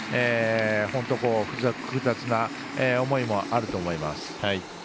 本当、複雑な思いもあると思います。